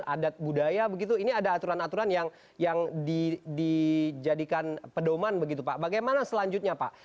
adat budaya begitu ini ada aturan aturan yang dijadikan pedoman begitu pak bagaimana selanjutnya pak